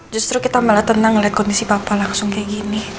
justru kita malah tenang lihat kondisi papa langsung kayak gini